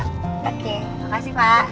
oke makasih pak